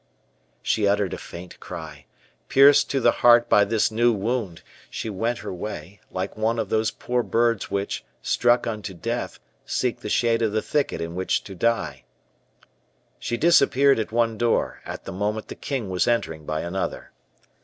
She uttered a faint cry; pierced to the heart by this new wound, she went her way, like one of those poor birds which, struck unto death, seek the shade of the thicket in which to die. She disappeared at one door, at the moment the king was entering by another.